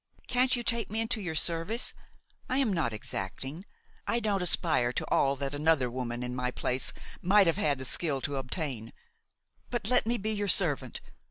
Can't you take me into your service? I am not exacting; I don't aspire to all that another woman in my place might have had the skill to obtain. But let me be your servant.